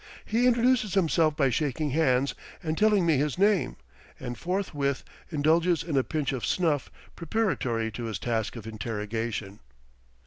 He introduces himself by shaking hands and telling me his name, and forthwith indulges in a pinch of snuff preparatory to his task of interrogation.